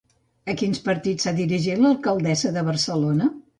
A quins partits s'ha dirigit l'alcaldessa de Barcelona?